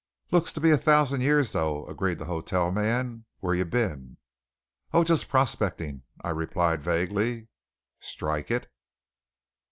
"Looks to be a thousand years, though," agreed the hotel man. "Where you been?" "Oh, just prospecting," I replied vaguely. "Strike it?"